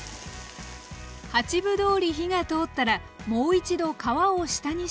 八分どおり火が通ったらもう一度皮を下にして焼きます。